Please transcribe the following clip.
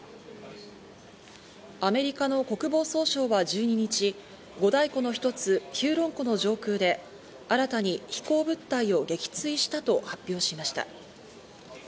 アメリカの国防総省は１２日、五大湖の一つヒューロン湖の上空で、新たに飛行物体を撃墜したと発表しました。